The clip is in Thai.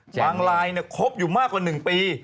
บางรายเนี่ยคบอยู่มากกว่า๑ปี